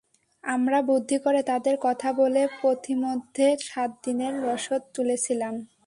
আমরা বুদ্ধি করে তাঁদের কথা বলে পথিমধ্যে সাত দিনের রসদ তুলেছিলাম।